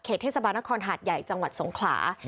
เทศบาลนครหาดใหญ่จังหวัดสงขลา